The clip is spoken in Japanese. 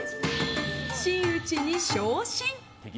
真打ちに昇進。